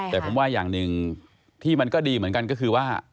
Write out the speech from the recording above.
แต่ผมว่าอย่างหนึ่งที่มันก็ดีเหมือนกันก็คือว่า